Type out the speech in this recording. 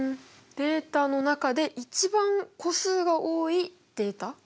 データの中で一番個数が多いデータ。